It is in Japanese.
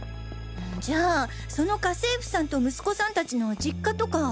じゃあその家政婦さんと息子さん達の実家とか？